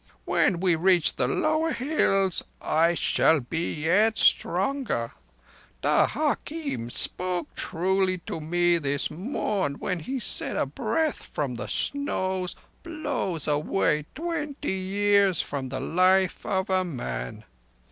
When we reach the lower hills I shall be yet stronger. The hakim spoke truly to me this morn when he said a breath from the snows blows away twenty years from the life of a man.